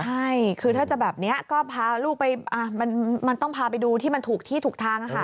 ใช่คือถ้าจะแบบนี้ก็พาลูกไปมันต้องพาไปดูที่มันถูกที่ถูกทาง